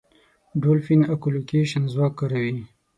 ډولفین اکولوکېشن ځواک کاروي.